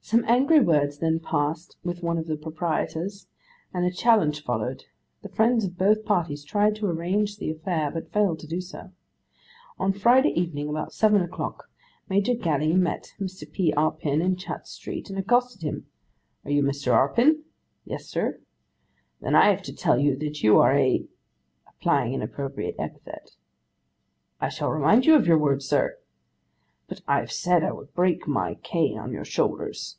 Some angry words then passed with one of the proprietors, and a challenge followed; the friends of both parties tried to arrange the affair, but failed to do so. On Friday evening, about seven o'clock, Major Gally met Mr. P. Arpin in Chatres Street, and accosted him. "Are you Mr. Arpin?" '"Yes, sir." '"Then I have to tell you that you are a—" (applying an appropriate epithet). '"I shall remind you of your words, sir." '"But I have said I would break my cane on your shoulders."